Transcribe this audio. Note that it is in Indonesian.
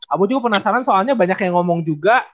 aku juga penasaran soalnya banyak yang ngomong juga